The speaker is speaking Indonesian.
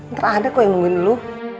ntar ada kok yang nungguin lu